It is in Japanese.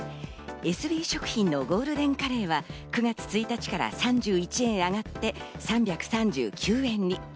エスビー食品のゴールデンカレーは９月１日から３１円上がって３３９円に。